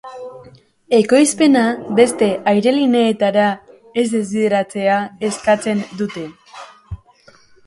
Ekoizpena beste airelineetara ez desbideratzea eskatzen dute.